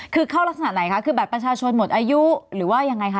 คือเข้ารักษณะไหนคะคือบัตรประชาชนหมดอายุหรือว่ายังไงคะ